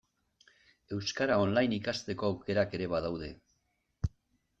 Euskara online ikasteko aukerak ere badaude.